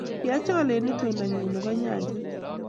Kiachol eng itondanyi nebo nyachet